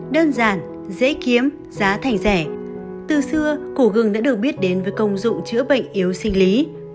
đơn giản dễ kiếm giá thành rẻ từ xưa cụ gừng đã được biết đến với công dụng chữa bệnh yếu sinh lý